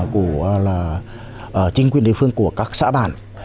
của chính quyền địa phương của các xã bản